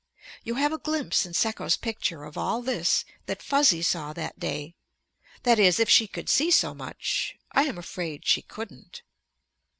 You have a glimpse in Sekko's picture of all this that Fuzzy saw that day. That is, if she could see so much. I am afraid she couldn't.